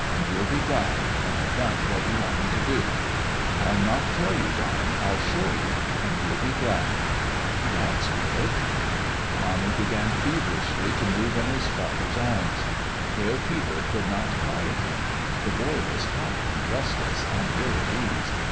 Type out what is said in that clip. And you'll be glad when I've done what you want me to do. I'll not tell you, Donnie. I'll show you ! And you'll be glad." " That's good." Donnie began feverishly to move in his father's arms. Pale Peter could not quiet him. The boy was hot and restless and ill at ease.